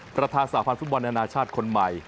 ประธานสาพันธ์ฟุตบอลอนาชาติคนใหม่